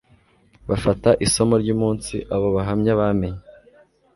bafata isomo ry umunsi abo bahamya bamenye